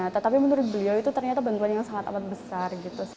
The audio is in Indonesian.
tetapi menurut beliau itu ternyata bantuan yang sangat amat besar